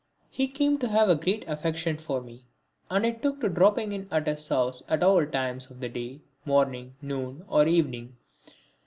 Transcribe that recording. He came to have a great affection for me, and I took to dropping in at his house at all times of the day, morning, noon or evening.